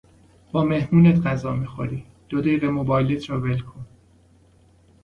با مهمونت غذا میخوری دو دقیقه موبایلت رو ول کن